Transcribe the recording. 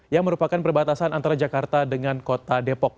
yang merupakan perbatasan antara jakarta dengan kota depok